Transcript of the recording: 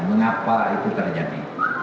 kenapa itu terjadi